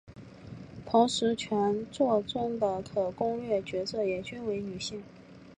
同时全作中的可攻略角色也均为女性。